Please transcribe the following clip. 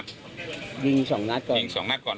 ช้าไว้ก่อน